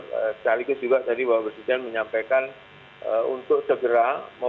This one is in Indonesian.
sekaligus juga tadi bapak presiden menyampaikan untuk segera